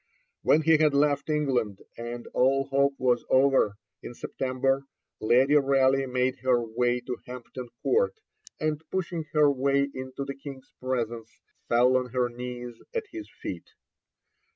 When he had left England, and all hope was over, in September, Lady Raleigh made her way to Hampton Court, and, pushing her way into the King's presence, fell on her knees at his feet.